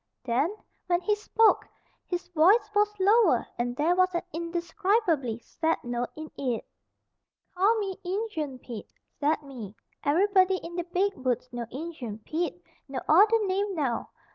Then, when he spoke, his voice was lower and there was an indescribably sad note in it. "Call me 'Injun Pete', zat me. Everybody in de beeg Woods know Injun Pete. No odder name now.